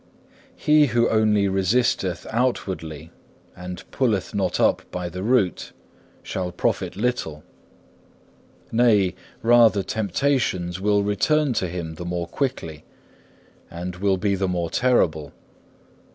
4. He who only resisteth outwardly and pulleth not up by the root, shall profit little; nay, rather temptations will return to him the more quickly, and will be the more terrible.